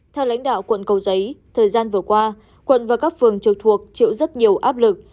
theo lãnh đạo quận cầu giấy thời gian vừa qua quận và các phường trực thuộc chịu rất nhiều áp lực